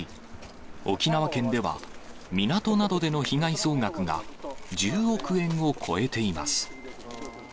沖縄県では、港などでの被害総額が、１０億円を超えています。